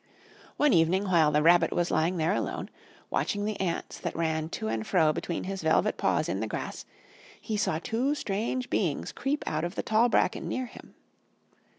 One evening, while the Rabbit was lying there alone, watching the ants that ran to and fro between his velvet paws in the grass, he saw two strange beings creep out of the tall bracken near him.